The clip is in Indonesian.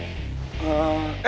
eh tapi lokasinya dimana